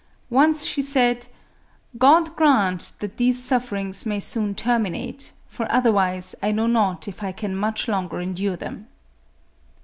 Once she said, " God grant that these sufferings may soon terminate, for otherwise I know not if I can much longer endure them."